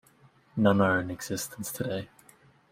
None are in existence today.